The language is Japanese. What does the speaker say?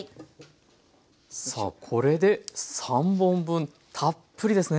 さあこれで３本分たっぷりですね。